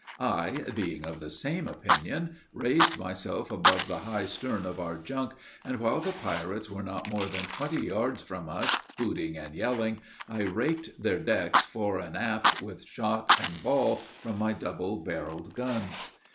I, being of the same opinion, raised myself above the high stern of our junk; and while the pirates were not more than twenty yards from us, hooting and yelling, I raked their decks, fore and aft, with shot and ball from my double barreled gun.